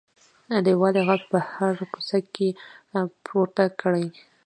د یووالي غږ په هره کوڅه کې پورته کړئ.